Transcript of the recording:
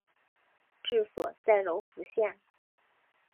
治所在柔服县。